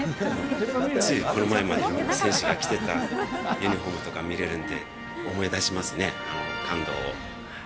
ついこの前まで選手が着てたユニホームとか見れるんで、思い出しますね、あの感動を。